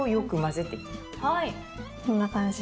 こんな感じ。